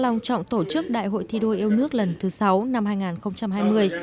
long trọng tổ chức đại hội thi đua yêu nước lần thứ sáu năm hai nghìn hai mươi